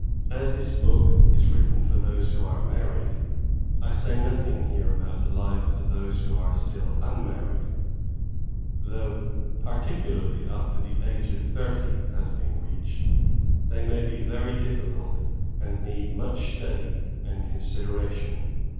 As this book is written for those who are married, I say nothing here about the lives of those who are still unmarried, though, particularly after the age of thirty has been reached, they may be very diflicult and need much study and consideration.